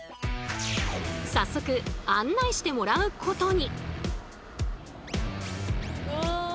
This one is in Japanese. さっそく案内してもらうことに！